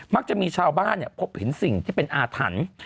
จะมีชาวบ้านพบเห็นสิ่งที่เป็นอาถรรพ์